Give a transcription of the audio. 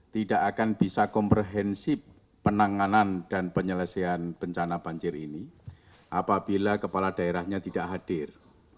tidak akan bisa komprehensif penanganan dan penyelesaian bencana banjir ini apabila kepala daerahnya tidak hadir